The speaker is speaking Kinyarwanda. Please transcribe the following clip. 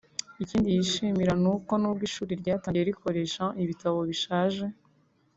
Ikindi yishimira ni uko nubwo ishuri ryatangiye rikoresha ibitabo bishaje